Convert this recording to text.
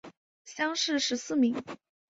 乡试十四名。